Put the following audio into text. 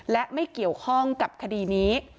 และไม่เกี่ยวข้องกับคดีนี้